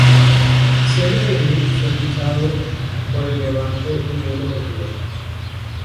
Siendo juvenil fue fichado por el Levante Unión Deportiva.